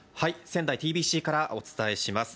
仙台、ｔｂｃからお伝えします。